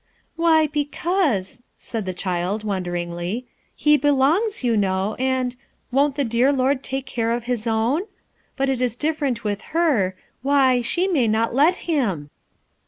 "Why, because," said the child, wondaiagty. "he belongs, you know, and— won't the dear Lord take care of his own? But it is different with her, — why, she may not let Him!"